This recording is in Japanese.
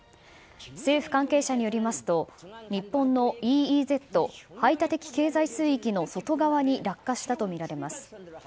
政府関係者によりますと日本のＥＥＺ・排他的経済水域の外側に落下したとみられます。